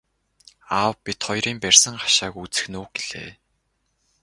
Аав бид хоёрын барьсан хашааг үзэх нь үү гэлээ.